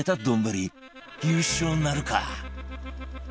優勝なるか？